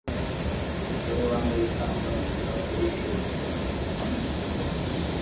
Umugore wambaye ikamba avugana kuri terefone amwenyura